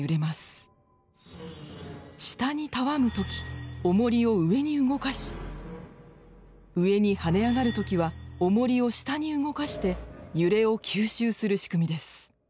下にたわむ時おもりを上に動かし上に跳ね上がる時はおもりを下に動かして揺れを吸収する仕組みです。